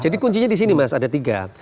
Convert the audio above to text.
jadi kuncinya di sini mas ada tiga